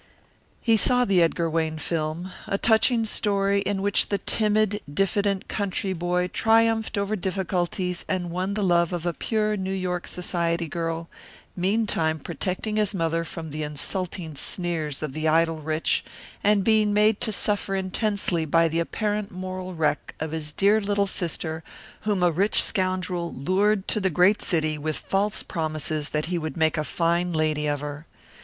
He saw the Edgar Wayne film, a touching story in which the timid, diffident country boy triumphed over difficulties and won the love of a pure New York society girl, meantime protecting his mother from the insulting sneers of the idle rich and being made to suffer intensely by the apparent moral wreck of his dear little sister whom a rich scoundrel lured to the great city with false promises that he would make a fine lady of her.